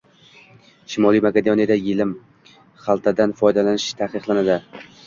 Shimoliy Makedoniyada yelim xaltadan foydalanish taqiqlanadi